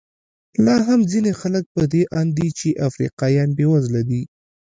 لا هم ځینې خلک په دې اند دي چې افریقایان بېوزله دي.